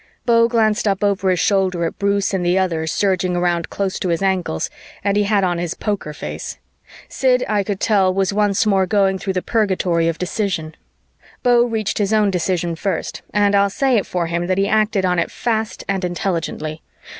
Beau glanced up over his shoulder at Bruce and the others surging around close to his ankles and he had on his poker face. Sid I could tell was once more going through the purgatory of decision. Beau reached his own decision first and I'll say it for him that he acted on it fast and intelligently.